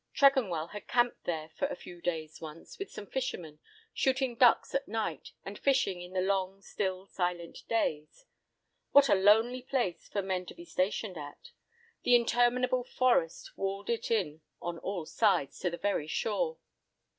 Tregonwell had camped there for a few days once, with some fishermen, shooting ducks at night, and fishing in the long, still, silent days. What a lonely place for men to be stationed at! The interminable forest walled it in on all sides, to the very shore.